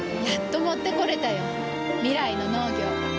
やっと持ってこれたよ。未来の農業。